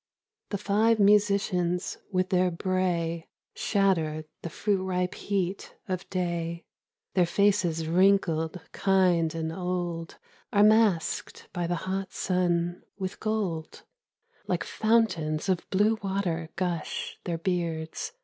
The five musicians with their bray Shatter the fruit ripe heat of day ; Their faces wrinkled kind and old Are masked by the hot sun with gold ; Like fountains of blue water, gush Their beards.